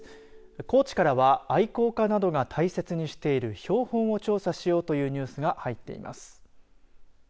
高知からは愛好家などが大切にしている標本を調査しようというニュースが入っています。